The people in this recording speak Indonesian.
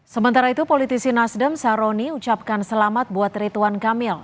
sementara itu politisi nasdem saroni ucapkan selamat buat rituan kamil